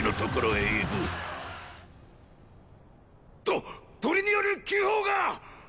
とっ鳥による急報がっ！